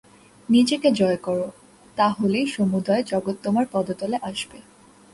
নিজেকে জয় কর, তা হলেই সমুদয় জগৎ তোমার পদতলে আসবে।